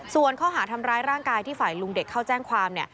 ส่วนข้อหาทำร้ายร่างกายที่ฝ่ายลุงเด็กเข้าแจ้งความ